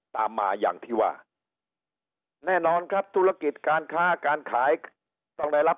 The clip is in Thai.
ตามมาอย่างที่ว่าแน่นอนครับธุรกิจการค้าการขายต้องได้รับ